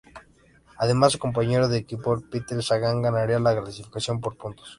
Además su compañero de equipo Peter Sagan ganaría la clasificación por puntos.